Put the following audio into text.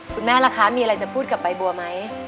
ล่ะคะมีอะไรจะพูดกับใบบัวไหม